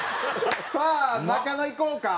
さあ中野いこうか。